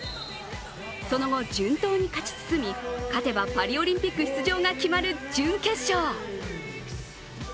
その後、順当に勝ち進み勝てばパリオリンピック出場が決まる準決勝。